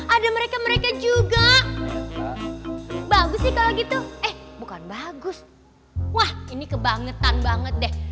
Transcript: ada mereka mereka juga bagus sih kalau gitu eh bukan bagus wah ini kebangetan banget deh